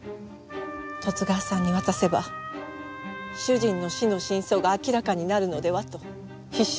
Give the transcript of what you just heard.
十津川さんに渡せば主人の死の真相が明らかになるのではと必死でした。